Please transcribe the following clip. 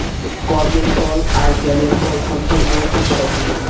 কর্মের ফল আর জ্ঞানের ফল সম্পূর্ণ পৃথক্।